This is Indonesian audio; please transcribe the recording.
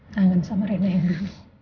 kangen sama reina yang beli